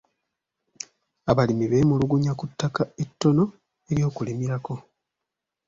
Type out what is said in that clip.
Abalimi beemulugunya ku ttaka ettono ery'okulimirako.